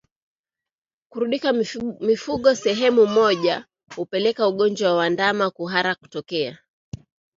Kurundika mifugo sehemu moja hupelekea ugonjwa wa ndama kuhara kutokea